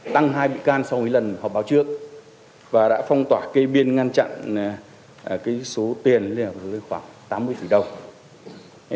tăng hai bị can so với lần họp báo trước và đã phong tỏa kê biên ngăn chặn số tiền lên khoảng tám mươi tỷ đồng